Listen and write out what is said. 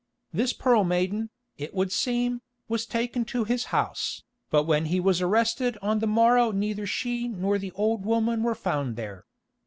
This Pearl Maiden, it would seem, was taken to his house, but when he was arrested on the morrow neither she nor the old woman were found there.